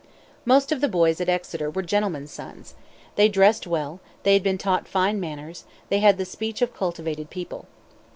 Most of the boys at Exeter were gentlemen's sons. They dressed well, they had been taught fine manners, they had the speech of cultivated people.